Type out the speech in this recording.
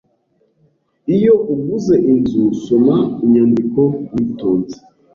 Iyo uguze inzu, soma inyandiko witonze.